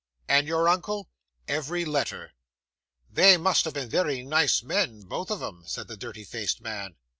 'And your uncle?' 'Every letter.' 'They must have been very nice men, both of 'em,' said the dirty faced man.